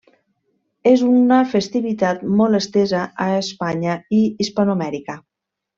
És una festivitat molt estesa a Espanya i Hispanoamèrica.